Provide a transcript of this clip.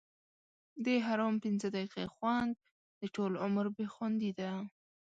د حرام پنځه دقیقې خوند؛ د ټولو عمر بې خوندي ده.